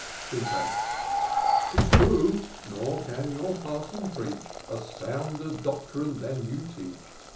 Syntax. " 'Tis true ; nor can your Parson preach A sounder doctrine than you teach.